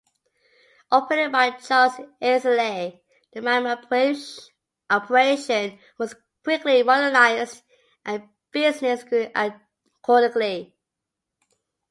Operated by Charles Isaly, the Marion operation was quickly modernized, and business grew accordingly.